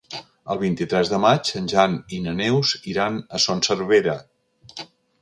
El vint-i-tres de maig en Jan i na Neus iran a Son Servera.